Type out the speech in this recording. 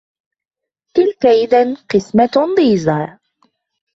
تِلْكَ إِذًا قِسْمَةٌ ضِيزَى